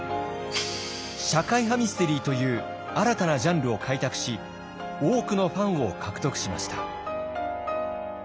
社会派ミステリーという新たなジャンルを開拓し多くのファンを獲得しました。